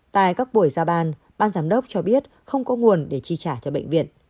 tại các buổi ra ban ban giám đốc cho biết không có nguồn để truy trả cho bệnh viện